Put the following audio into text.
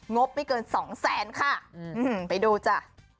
บไม่เกินสองแสนค่ะไปดูจ้ะ